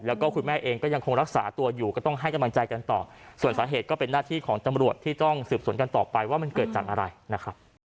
แล้วก็คุณแม่เองก็ยังคงรักษาตัวอยู่ก็ต้องให้กำลังใจกันต่อส่วนสาเหตุก็เป็นหน้าที่ของตำรวจที่ต้องสืบสวนกันต่อไปว่ามันเกิดจากอะไรนะครับ